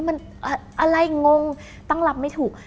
มันอะไรงงตั้งรับไม่ถูก